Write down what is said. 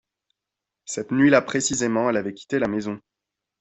cette nuit-là précisément elle avait quitté la maison.